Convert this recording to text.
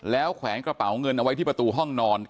แล้วแขวนกระเป๋าเงินเอาไว้ที่ประตูห้องนอน